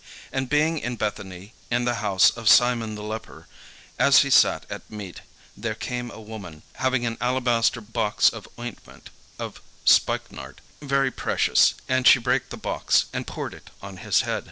And being in Bethany in the house of Simon the leper, as he sat at meat, there came a woman having an alabaster box of ointment of spikenard, very precious; and she brake the box, and poured it on his head.